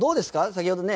先ほどね